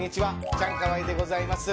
チャンカワイでございます。